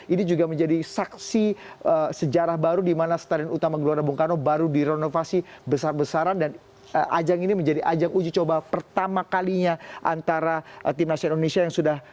ini juga menjadi saksi sejarah baru di mana stadion utama gelora bung karno baru direnovasi besar besaran dan ajang ini menjadi ajang uji coba pertama kalinya antara tim nasional indonesia yang sudah